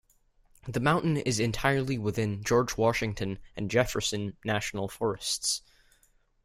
The mountain is entirely within George Washington and Jefferson National Forests.